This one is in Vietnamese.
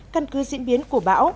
căn cứ diễn biến của bão